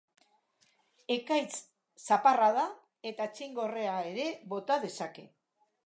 Ekaitz-zaparrada eta txingorra ere bota dezake.